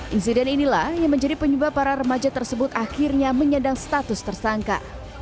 insiden inilah yang menjadi penyebab para remaja tersebut akhirnya menyandang status tersangka